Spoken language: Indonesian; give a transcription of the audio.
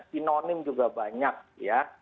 sinonim juga banyak ya